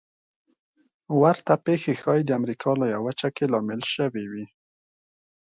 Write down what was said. ورته پېښې ښايي د امریکا لویه وچه کې لامل شوې وي.